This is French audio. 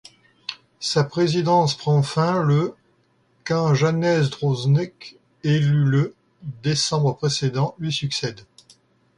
Sa présidence prend fin le quand Janez Drnovšek, élu le décembre précédent, lui succède.